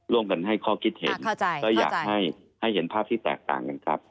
ร่วมกันให้ข้อคิดเห็นก็อยากให้เห็นภาพที่แตกต่างกันครับ